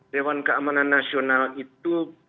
dewan keamanan nasional itu